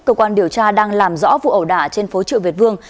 cơ quan điều tra đang làm rõ vụ ẩu đả trên phố triệu việt vương